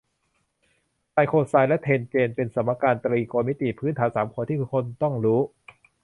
ไซน์โคไซน์และแทนเจนต์เป็นสมการตรีโกณมิติพื้นฐานสามตัวที่คุณต้องรู้